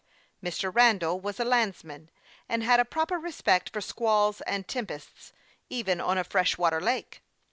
2 14 HASTE AND WASTE, OK Mr. Randall was a landsman, and had a proper respect for squalls and tempests, even on a fresh water lake.